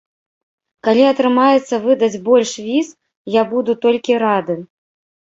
Калі атрымаецца выдаць больш віз, я буду толькі рады.